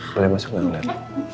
boleh masuk gak umar